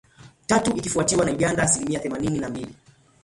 Tatu, ikifuatiwa na Uganda asilimia themanini na mbili.